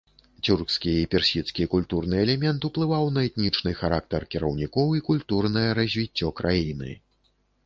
Цюркскі і персідскі культурны элемент уплываў на этнічны характар кіраўнікоў і культурнае развіццё краіны.